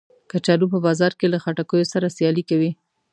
کچالو په بازار کې له خټکیو سره سیالي کوي